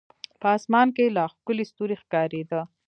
په اسمان کې لا ښکلي ستوري ښکارېده.